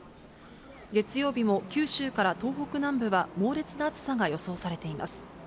月曜日も、九州から東北南部は猛烈な暑さが予想されています。